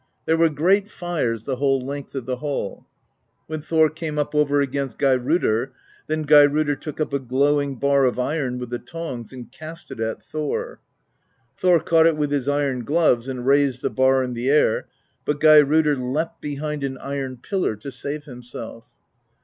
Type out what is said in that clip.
There were great fires the whole length of the hall. When Thor came up over against Geirrodr, then Geirrodr took up a glow ing bar of iron with the tongs and cast it at Thor. Thor caught it with his iron gloves and raised the bar in the air, but Geirrodr leapt behind an iron pillar to save himself.